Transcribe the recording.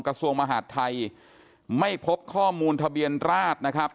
กระทรวงมหาดไทยไม่พบข้อมูลทะเบียนราชนะครับ